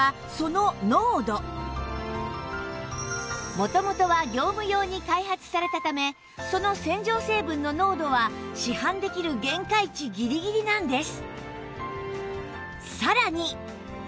元々は業務用に開発されたためその洗浄成分の濃度は市販できる限界値ギリギリなんです